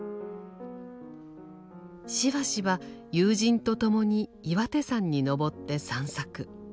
しばしば友人と共に岩手山に登って散策。